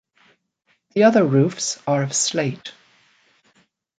The other roofs are of slate.